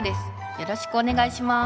よろしくお願いします。